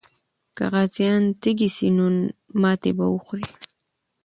که غازیان تږي سي، نو ماتې به وخوري.